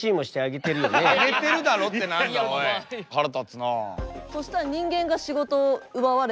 腹立つなあ。